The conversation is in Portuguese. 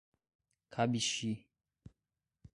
Cabixi